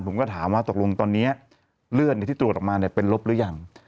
ผมก็ถามว่าตกลงตอนนี้เลือดที่ตรวจออกมาเป็นลบหรือยัง